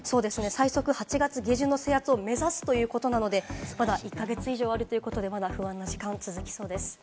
最速８月下旬の制圧を目指すということなので、まだ２か月以上あるということで、不安な時間が続きそうです。